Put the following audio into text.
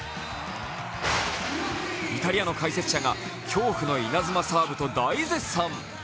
イタリアの解説者が恐怖の稲妻サーブと大絶賛。